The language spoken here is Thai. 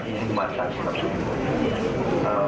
ที่จะมาสร้างสำหรับชีวิต